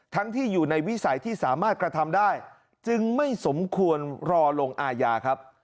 ที่อยู่ในวิสัยที่สามารถกระทำได้จึงไม่สมควรรอลงอาญาครับ